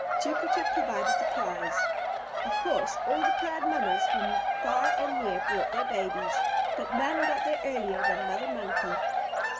Jupiter provided the prize. Of course all the proud mammas from far and near brought their babies. But none got there earlier than Mother Monkey.